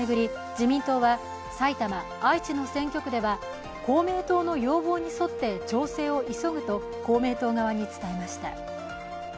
自民党は埼玉、愛知の選挙区では公明党の要望に添って調整を急ぐと公明党側に伝えました。